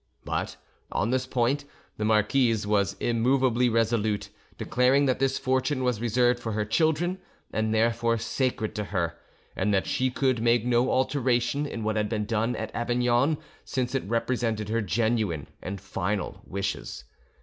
But on this point the marquise was immovably resolute, declaring that this fortune was reserved for her children and therefore sacred to her, and that she could make no alteration in what had been done at Avignon, since it represented her genuine and final wishes.